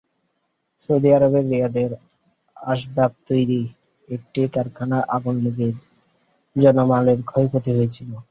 Saudi আরবের রিয়াদে আসবাব তৈরির একটি কারখানায় আগুন লেগে জানমালের ক্ষয়ক্ষতি হয়েছে।